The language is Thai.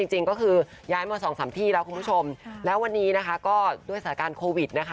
จริงก็คือย้ายมาสองสามที่แล้วคุณผู้ชมแล้ววันนี้นะคะก็ด้วยสถานการณ์โควิดนะคะ